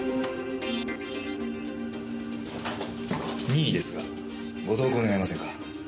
任意ですがご同行願えませんか。